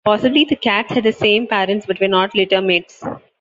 Possibly the cats had the same parents but were not litter-mates.